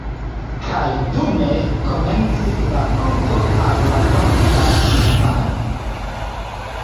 Kaj dume komencis la kulto al la sankta infano.